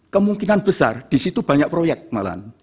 kemungkinan besar di situ banyak proyek malah